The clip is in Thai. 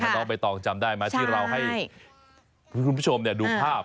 เราไปต่อจำได้ไหมที่เราให้คุณผู้ชมดูภาพ